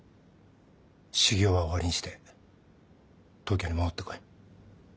修行は終わりにして東京に戻ってこい。